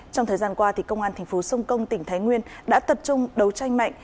trong thời gian qua công an tp sông công tỉnh thái nguyên đã tập trung đấu tranh mạnh